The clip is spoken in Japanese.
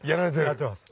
やってます。